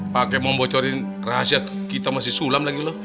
pake membocorin rahasia tuh kita masih sulam lagi loh